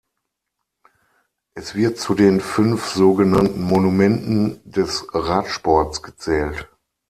Es wird zu den fünf sogenannten Monumenten des Radsports gezählt.